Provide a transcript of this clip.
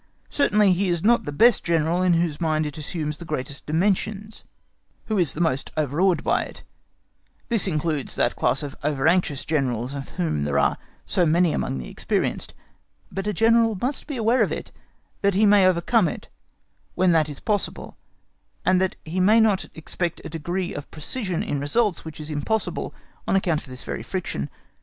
Certainly he is not the best General in whose mind it assumes the greatest dimensions, who is the most over awed by it (this includes that class of over anxious Generals, of whom there are so many amongst the experienced); but a General must be aware of it that he may overcome it, where that is possible, and that he may not expect a degree of precision in results which is impossible on account of this very friction.